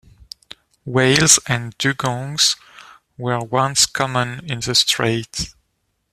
Whales and dugongs were once common in the strait.